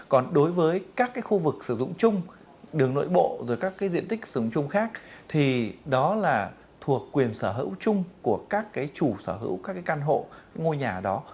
còn đối với các khu vực sử dụng chung đường nội bộ rồi các diện tích sử dụng chung khác thì đó là thuộc quyền sở hữu chung của các chủ sở hữu các căn hộ ngôi nhà đó